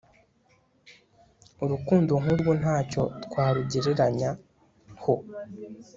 Urukundo nkurwo nta cyo twarugereranyaho